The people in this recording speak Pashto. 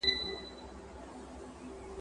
ژړا چي مي په خوله ده